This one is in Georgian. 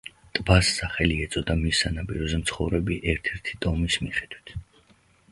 ტბას სახელი ეწოდა მის სანაპიროზე მცხოვრები ერთ-ერთი ტომის მიხედვით.